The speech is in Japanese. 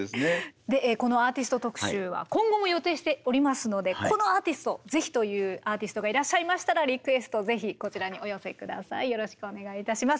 でこのアーティスト特集は今後も予定しておりますのでこのアーティスト是非というアーティストがいらっしゃいましたらリクエスト是非こちらにお寄せ下さいよろしくお願いいたします。